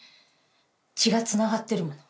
血が繋がってるもの。